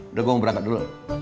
udah gue mau berangkat dulu